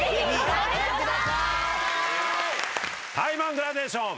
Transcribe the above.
タイマングラデーション。